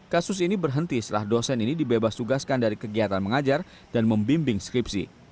kasus ini berhenti setelah dosen ini dibebas tugaskan dari kegiatan mengajar dan membimbing skripsi